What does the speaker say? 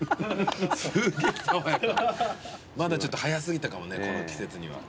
まだちょっと早過ぎたかもねこの季節には。